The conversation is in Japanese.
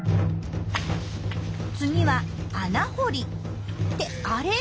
次は穴掘りってあれ？